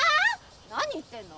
何言ってんの？